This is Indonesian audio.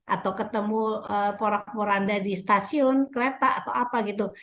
atau ketemu porak poranda di stasiun kereta atau apa gitu